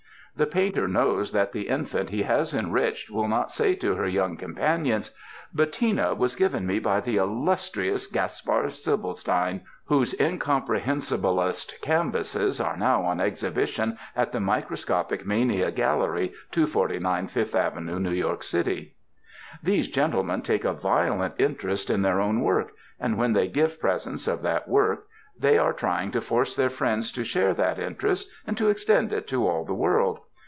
The painter knows that the infant he has enriched will not say to her young compan ions :" 'Bettina' was given me by the illustrious Gas par Slifestein whose incomprehensiblist canvases are now on exhibition at the Microscopic Mania Gallery, 249 Fifth Avenue, New York City." These gentlemen take a violent interest in their own work, and when they give presents of that work they are trying to force their friends to share that interest and to extend it to all the world.